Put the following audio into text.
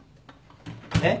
えっ？